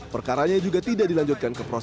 perkaranya juga tidak dilanjutkan ke proses